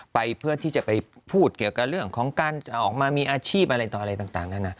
ไปเพื่อที่จะไปพูดเกี่ยวกับเรื่องของการออกมามีอาชีพอะไรต่ออะไรต่างนั้นนะ